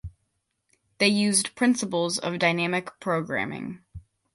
They used principles of dynamic programming.